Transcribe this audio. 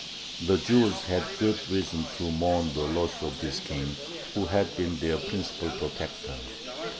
The Jews had good reason to mourn the loss of this King, who had been their principal protector.